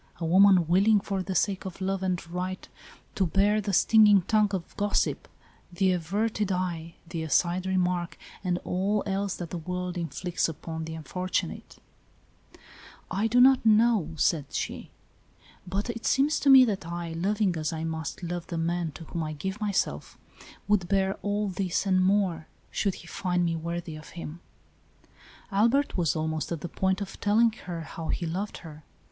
A woman willing, for the sake of love and right, to bear the stinging tongue of gossip, the averted eye, the aside remark, and all else that the world inflicts upon the unfortunate ?" ALICE ; OR, THE WAGES OF SIN. 29 "I do not know," said she, "but it seems to me that I, loving as I must love the man to whom I give myself, would bear all this and more, should he find me worthy of him." Albert was almost at the point of telling her how he loved her.